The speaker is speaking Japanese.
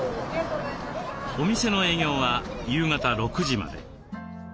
お店の営業は夕方６時まで。